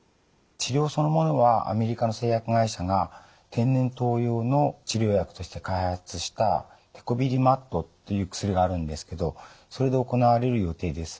治療そのものはアメリカの製薬会社が天然痘用の治療薬として開発したテコビリマットという薬があるんですけどそれで行われる予定です。